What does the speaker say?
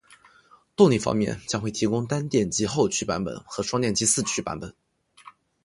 动力方面，将会提供单电机后驱版本与双电机四驱版本